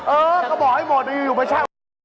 เออก็บอกให้หมดแต่อยู่ไปช่าง